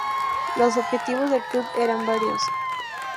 Los objetivos del club eran varios.